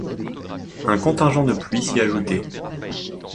Un contingent de pluie s’y ajoutait.